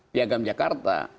di agama jakarta